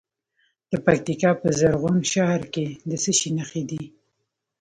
د پکتیکا په زرغون شهر کې د څه شي نښې دي؟